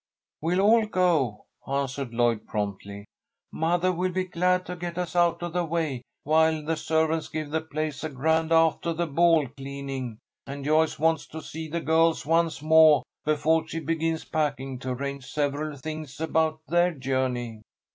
"We'll all go," answered Lloyd, promptly. "Mothah will be glad to get us out of the way while the servants give the place a grand 'aftah the ball' cleaning, and Joyce wants to see the girls once moah befoah she begins packing, to arrange several things about their journey."